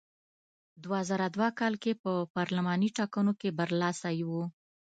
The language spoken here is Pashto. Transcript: دوه زره دوه کال کې په پارلماني ټاکنو کې برلاسی و.